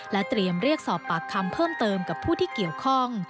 เตรียมเรียกสอบปากคำเพิ่มเติมกับผู้ที่เกี่ยวข้อง